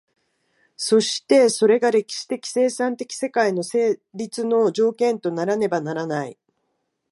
そしてそれが歴史的生産的世界の成立の条件とならねばならない。